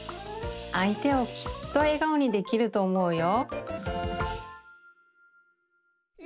あいてをきっとえがおにできるとおもうよ。